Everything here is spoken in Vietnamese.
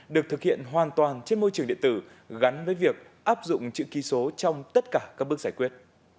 được thực hiện hoàn toàn trên môi trường điện tử gắn với việc áp dụng chữ ký số trong tất cả các bước giải quyết